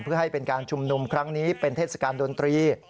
เพื่อให้เป็นการชุมนุมครั้งนี้เป็นเทศกาลดนตรี